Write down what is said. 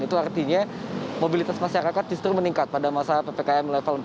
itu artinya mobilitas masyarakat justru meningkat pada masa ppkm level empat